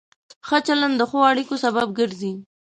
ښه چلند د ښو اړیکو سبب ګرځي.